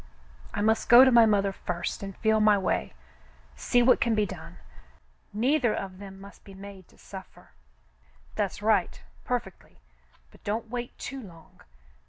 I must go to my mother first and feel my way — see what can be done. Neither of them must be made to suffer.'* *' That's right, perfectly — but don't wait too long.